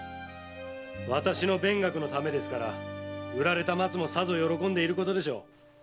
私の勉学のためですから売られた松もさぞ喜んでいるでしょう。